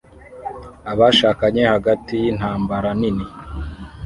Abashakanye hagati yintambara nini